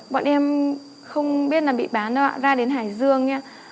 bọn em không biết là bị bán đâu ạ ra đến hải dương ý ạ